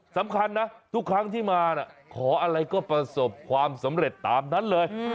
สำคัญนะทุกครั้งที่มาขออะไรก็ประสบความสำเร็จตามนั้นเลย